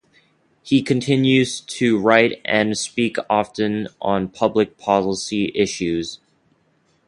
He continues to write and speak often on public policy issues.